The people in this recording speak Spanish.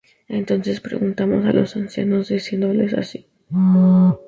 Entonces preguntamos á los ancianos, diciéndoles así: